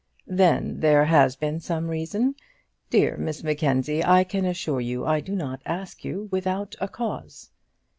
"Then there has been some reason? Dear Miss Mackenzie, I can assure you I do not ask you without a cause."